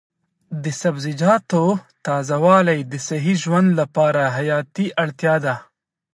د سبزیجاتو تازه والي د صحي ژوند لپاره حیاتي اړتیا ده.